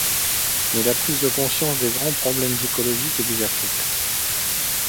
Mais la prise de conscience des grands problèmes écologiques est déjà faite.